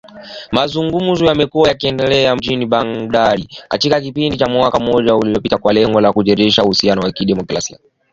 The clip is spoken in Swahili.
Mazungumuzo yamekuwa yakiendelea mjini Baghdad katika kipindi cha mwaka mmoja uliopita kwa lengo la kurejesha uhusiano wa kidiplomasia